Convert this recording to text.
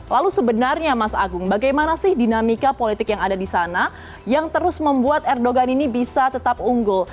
lalu sebenarnya mas agung bagaimana sih dinamika politik yang ada di sana yang terus membuat erdogan ini bisa tetap unggul